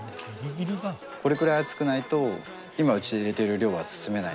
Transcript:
これくらい厚くないと今うちで入れてる量は包めない。